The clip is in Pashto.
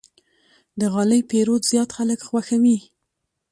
د غالۍ پېرود زیات خلک خوښوي.